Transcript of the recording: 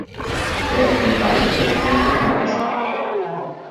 Er erkennt bald, dass er kein Kind mehr ist.